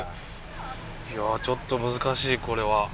いやちょっと難しいこれは。